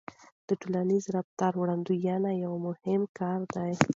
د ټولنیز رفتار وړاندوينه یو مهم کار دی.